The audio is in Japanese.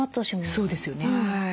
そうですよね。